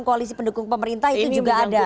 koalisi pendukung pemerintah itu juga ada